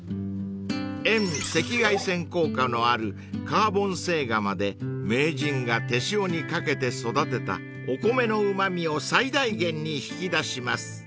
［遠赤外線効果のあるカーボン製釜で名人が手塩にかけて育てたお米のうま味を最大限に引き出します］